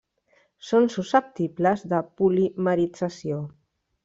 Són susceptibles de polimerització.